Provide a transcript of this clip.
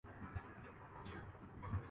گرفتاری کے لیے سرگرداں ہے جو کاروکاری کے